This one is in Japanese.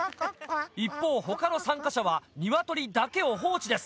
一方他の参加者はニワトリだけを放置です。